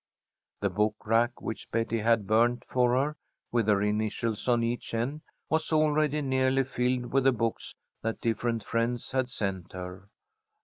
The book rack which Betty had burnt for her, with her initials on each end, was already nearly filled with the books that different friends had sent her.